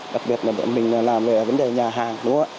đặc biệt là bọn mình làm về vấn đề nhà hàng đúng không ạ